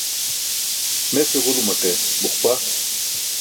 Mes iġulumaṭe buqpa.